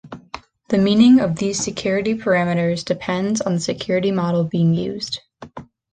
The meaning of these security parameters depends on the security model being used.